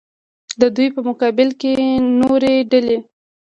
د دوی په مقابل کې نورې ډلې.